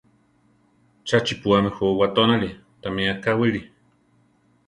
¡Cha chiʼpúami ju watónali! Támi akáwili!